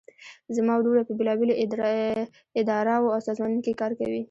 زما وروڼه په بیلابیلو اداراو او سازمانونو کې کار کوي